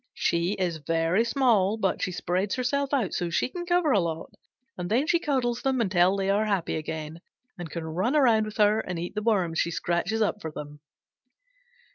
She is very small, but she spreads herself out so she can cover a lot, and then she cuddles them until they are happy again, and can run around with her and eat the Worms she scratches up for them."